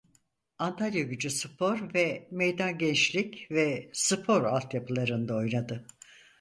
Antalyagücü Spor ve Meydan Gençlik ve Spor altyapılarında oynadı.